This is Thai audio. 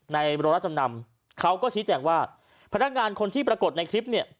ในโรงรับจำนำเขาก็ชี้แจงว่าพนักงานคนที่ปรากฏในคลิปเนี่ย